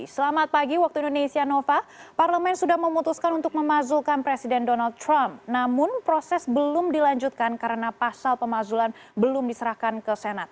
selamat pagi waktu indonesia nova parlemen sudah memutuskan untuk memazulkan presiden donald trump namun proses belum dilanjutkan karena pasal pemakzulan belum diserahkan ke senat